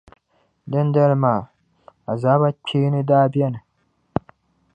Dindali maa, azaaba kpeeni daa beni.